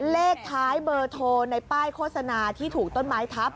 เลขท้ายเบอร์โทรในป้ายโฆษณาที่ถูกต้นไม้ทับ